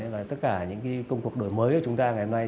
và tất cả những công cuộc đổi mới của chúng ta ngày hôm nay